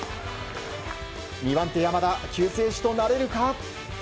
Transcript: ２番手山田、救世主となれるか。